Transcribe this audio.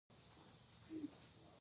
خپله ژبه د خپل هویت نښه وګڼئ.